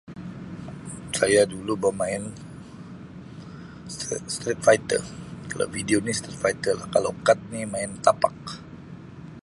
Saya dulu bemain strai-straight fighter. Kalau video ni straight fighter lah, kalau kad ni main kapak.